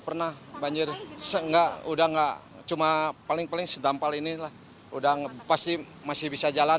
pernah banjir seenggak udah nggak cuma paling sedampal inilah udah pasti masih bisa jalan